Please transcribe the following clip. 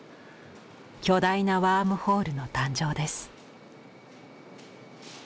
巨大なワームホールの誕生です。